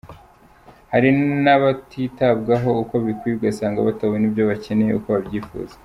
Hari n’abatitabwaho uko bikwiye ugasanga batabona ibyo bakeneye uko babyifuza.